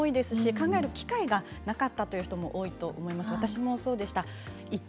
考える機会がなかったという方も多いと思います、私もそうでした。